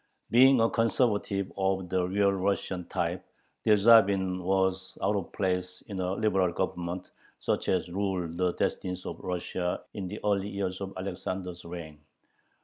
Being a conservative of the "real Russian" type, Dyerzhavin was out of place in a liberal Government such as ruled the destinies of Russia in the early years of Alexander's reign.